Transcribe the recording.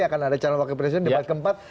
akan ada channel wakil presiden di debat keempat